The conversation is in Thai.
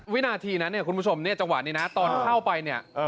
วินาทีนะคุณผู้ชมจังหวะนี้นะตอนเข้าไป